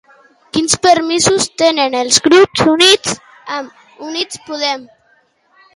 Quins permisos tenen els grups units amb Units Podem?